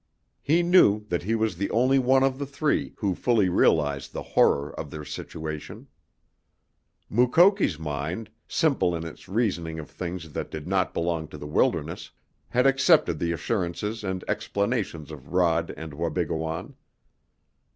He knew that he was the only one of the three who fully realized the horror of their situation. Mukoki's mind, simple in its reasoning of things that did not belong to the wilderness, had accepted the assurances and explanations of Rod and Wabigoon.